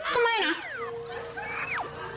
ก็ไม่นะ